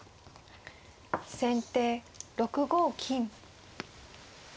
先手６五金。